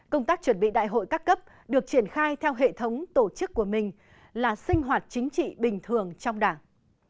công tác chuẩn bị đại hội các cấp được triển khai theo hệ thống tổ chức của mình là sinh hoạt chính trị bình thường trong đảng